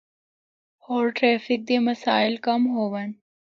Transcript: ہور ٹریفک دے مسائل کم ہون۔